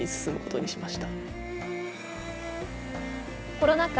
コロナ禍